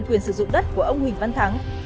quyền sử dụng đất của ông huỳnh văn thắng